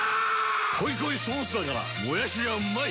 濃い濃いソースだからもやしがうまい‼